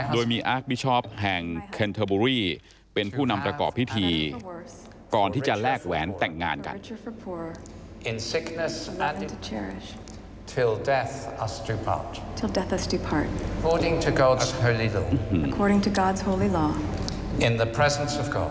โดยมีอาร์กบิชอบแห่งเคนเทอร์บุรีเป็นผู้นำประกอบพิธีก่อนที่จะแลกแหวนแต่งงานกัน